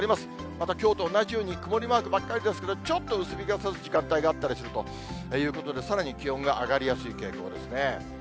またきょうと同じように曇りマークばっかりですけれども、ちょっと薄日がさす時間帯があったりするということで、さらに気温が上がりやすい傾向ですね。